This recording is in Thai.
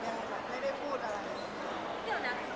อยากจะคุยไปเรื่อยไม่แน่ใจต่อ